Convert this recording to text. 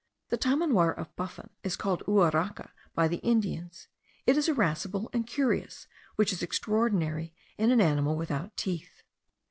The tamanoir of Buffon is called uaraca by the Indians; it is irascible and courageous, which is extraordinary in an animal without teeth.